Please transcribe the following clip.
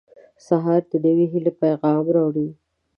• سهار د نوې هیلې پیغام راوړي.